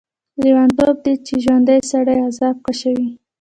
لیونتوب دی چې ژوندی سړی عذاب کشه کوي.